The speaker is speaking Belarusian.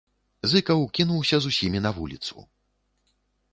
Зыкаў кінуўся з усімі на вуліцу.